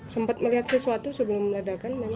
sempat melihat sesuatu sebelum ledakan